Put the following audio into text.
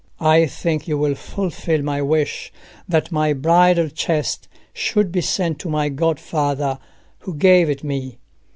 "I think you will fulfil my wish that my bridal chest should be sent to my godfather, who gave it me.